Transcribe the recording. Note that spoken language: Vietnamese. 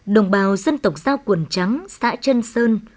đồng bào dân tộc giao quần trắng xã trân sơn